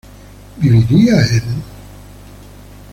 ¿viviría él?